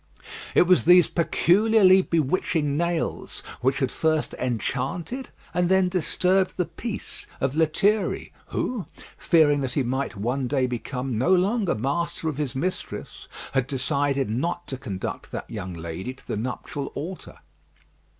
It was these peculiarly bewitching nails which had first enchanted and then disturbed the peace of Lethierry, who, fearing that he might one day become no longer master of his mistress, had decided not to conduct that young lady to the nuptial altar.